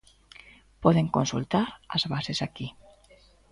Poden consultar as bases aquí.